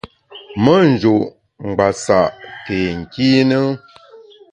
Me nju’ ngbasa’ ke nkîne ?